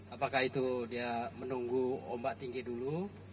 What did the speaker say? apakah itu dia menunggu ombak tinggi dulu